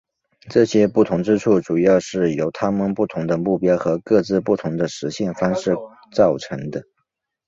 这些不同之处主要是由他们不同的目标和各自不同的实现方式造成的。